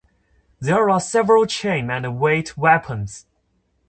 There are several chain and weight weapons.